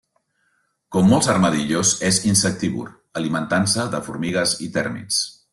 Com molts armadillos, és insectívor, alimentant-se de formigues i tèrmits.